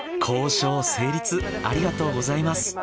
交渉成立ありがとうございます。